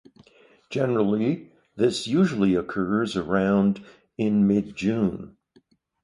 Generally, this usually occurs around in mid-June.